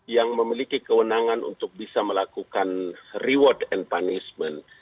yang memiliki kewenangan untuk bisa melakukan reward and punishment